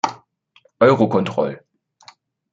Eurocontrol.